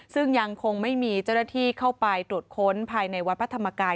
ซึ่งยังคงไม่มีเจ้าหน้าที่เข้าไปตรวจค้นภายในวัดพระธรรมกาย